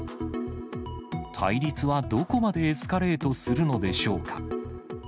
対立はどこまでエスカレートするのでしょうか。